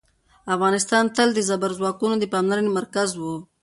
افغانستان تل د زبرځواکونو د پاملرنې مرکز و.